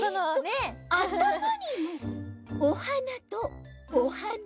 あたまにもおはなとおはな。